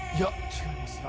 違います。